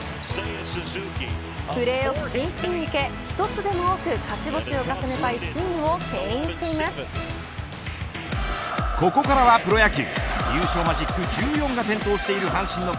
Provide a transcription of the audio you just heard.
プレーオフ進出に向け１つでも多く勝ち星を重ねたいチームをここからはプロ野球。